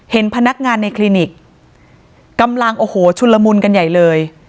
เห็นพนักงานในคลินิกกำลังโอ้โหชุนละมุนกันใหญ่เลย